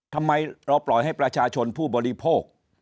ทำไมเราปล่อยให้ประชาชนผู้บริโภค